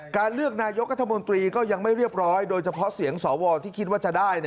เลือกนายกรัฐมนตรีก็ยังไม่เรียบร้อยโดยเฉพาะเสียงสวที่คิดว่าจะได้